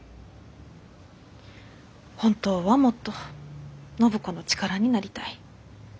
本当はもっと暢子の力になりたい。